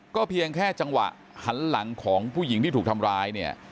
เพียงแค่จังหวะหันหลังของผู้หญิงที่ถูกทำร้ายเนี่ย